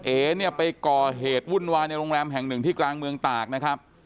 เอ๋เนี่ยไปก่อเหตุวุ่นวายในโรงแรมแห่งหนึ่งที่กลางเมืองตากนะครับ